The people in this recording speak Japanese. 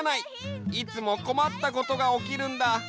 いつもこまったことがおきるんだ。